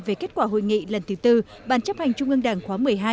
về kết quả hội nghị lần thứ tư bàn chấp hành trung ương đảng khóa một mươi hai